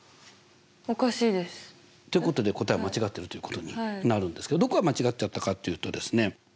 おかしいです。ということで答えは間違ってるということになるんですけどどこが間違っちゃったかというとですね